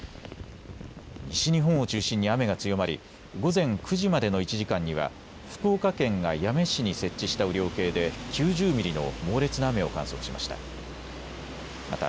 西日本を中心に雨が強まり午前９時までの１時間には福岡県が八女市に設置した雨量計で９０ミリの猛烈な雨を観測しました。